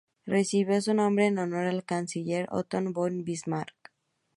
Recibió su nombre en honor al canciller Otto von Bismarck.